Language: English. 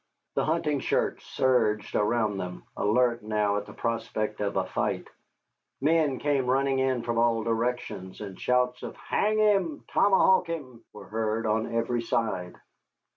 The hunting shirts surged around them, alert now at the prospect of a fight; men came running in from all directions, and shouts of "Hang him! Tomahawk him!" were heard on every side.